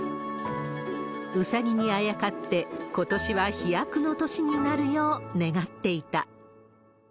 うさぎにあやかって、ことしは飛躍の年になるよう、願っていた。